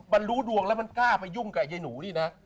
มันรู้ดวงแล้วมันกล้าไปยุ่งกับยายหนูนี่นะ